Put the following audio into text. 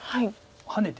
ハネて。